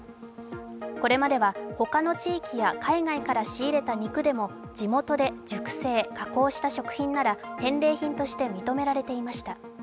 これまでは、他の地域や海外から仕入れた肉でも地元で熟成・加工した食品なら返礼品として認められていました。